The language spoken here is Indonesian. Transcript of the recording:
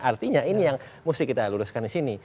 artinya ini yang mesti kita luruskan di sini